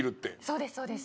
そうですそうです。